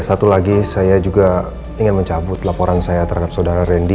satu lagi saya juga ingin mencabut laporan saya terhadap saudara randy